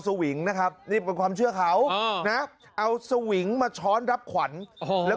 สวิงนะครับนี่เป็นความเชื่อเขานะเอาสวิงมาช้อนรับขวัญแล้ว